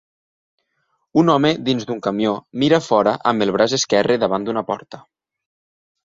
Un home dins d'un camió mira a fora amb el braç esquerre davant d'una porta.